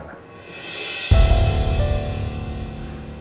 pembahagian lakas suri ya